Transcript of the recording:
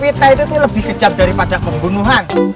wita itu tuh lebih kejam daripada kebunuhan